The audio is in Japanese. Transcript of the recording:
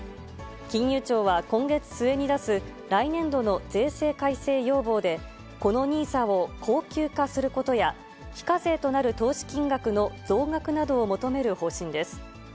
金融庁は今月末に出す来年度の税制改正要望で、このＮＩＳＡを恒久化することや、非課税となる投資金額の増額などを求める方針です。